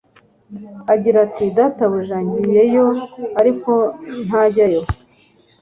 agira ati : "Databuja ngiye yo"; ariko ntajyeyo,